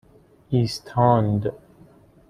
ایستاند